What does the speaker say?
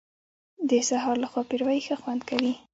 د سهار له خوا پېروی ښه خوند کوي .